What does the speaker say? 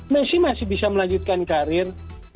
messi masih bisa melanjutkan karir